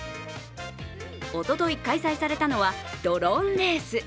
おととい開催されたのはドローンレース。